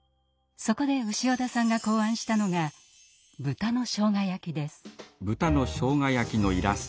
そこで潮田さんが考案したのが豚のしょうが焼です。